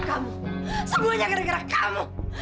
kamu semuanya gara gara kamu